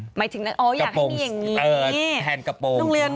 อยากให้มีอย่างนี้